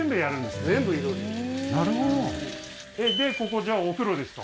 なるほどここじゃあお風呂ですか？